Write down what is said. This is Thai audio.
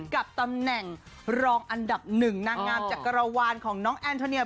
กับตำแหน่งรองอันดับหนึ่งนางงามจักรวาลของน้องแอนโทเนีย